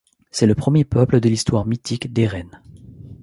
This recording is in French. C’est le premier peuple de l’histoire mythique d’Érenn.